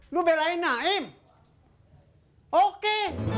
lo belain naim oke